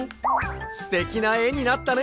すてきなえになったね！